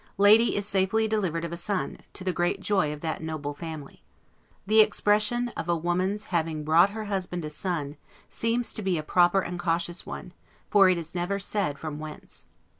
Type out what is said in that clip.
Lady is safely delivered of a son, to the great joy of that noble family. The expression, of a woman's having brought her husband a son, seems to be a proper and cautious one; for it is never said from whence.